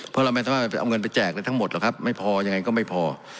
เพราะเราไม่ต้องมาเอาเงินไปแจกเลยทั้งหมดหรอกครับไม่พออย่างไรก็ไม่พอ